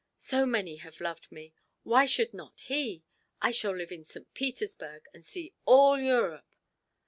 So many have loved me why should not he? I shall live in St. Petersburg, and see all Europe!